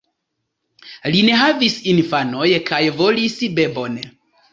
Li ne havis infanoj kaj volis bebon.